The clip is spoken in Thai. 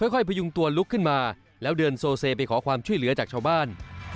พยุงตัวลุกขึ้นมาแล้วเดินโซเซไปขอความช่วยเหลือจากชาวบ้าน